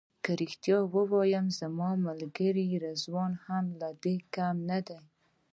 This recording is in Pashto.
که رښتیا ووایم زما ملګری رضوان هم له دوی کم نه دی.